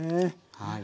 はい。